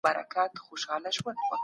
موږ به افغانان يو.